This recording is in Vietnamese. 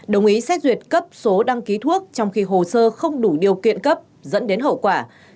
đồng ý xét duyệt cấp số đăng ký thuốc trong khi hồ sơ không đủ điều kiện cấp dẫn đến hậu quả